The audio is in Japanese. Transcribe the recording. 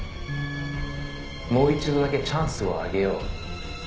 「もう一度だけチャンスをあげよう」